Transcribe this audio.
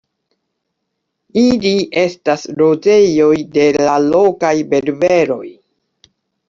Ili estas loĝejoj de la lokaj berberoj.